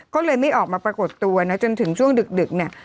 ก็เลยไม่ออกมาปรากฏตัวนะจนถึงช่วงดึกเนี่ย